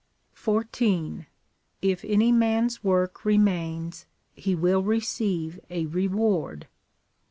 14. jy any mans work remains, he will receive a reward.